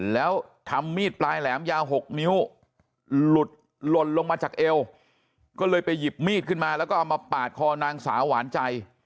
แล้วทำมีดปลายแหลมยาว๖นิ้วหลุดหล่นลงมาจากเอวก็เลยไปหยิบมีดขึ้นมาแล้วก็เอามาปาดคอนางสาวหวานใจ